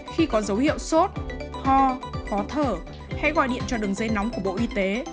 khi có dấu hiệu sốt ho khó thở hãy gọi điện cho đường dây nóng của bộ y tế